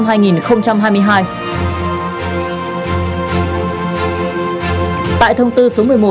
tại thông tư số một mươi một